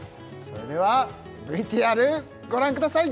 それではＶＴＲご覧ください